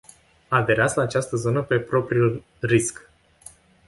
Aderați la această zonă pe propriul risc.